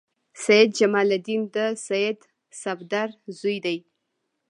سید جمال الدین د سید صفدر زوی دی.